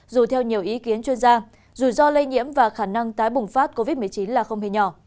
dù theo nhiều ý kiến chuyên gia rủi ro lây nhiễm và khả năng tái bùng phát covid một mươi chín là không hề nhỏ